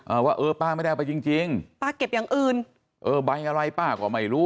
ว่าเออป้าไม่ได้เอาไปจริงจริงป้าเก็บอย่างอื่นเออใบอะไรป้าก็ไม่รู้